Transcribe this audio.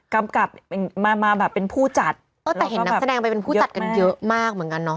กำกับเป็นมามาแบบเป็นผู้จัดเออแต่เห็นนักแสดงไปเป็นผู้จัดกันเยอะมากเหมือนกันเนาะ